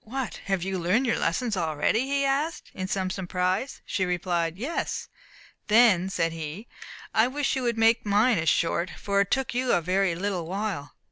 "What! have you learned your lessons already?" he asked, in some surprise. She replied, "Yes." "Then," said he, "I wish you would make mine as short, for it took you a very little while."